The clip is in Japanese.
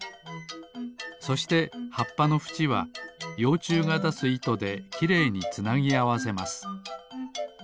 そしてはっぱのふちはようちゅうがだすいとできれいにつなぎあわせます。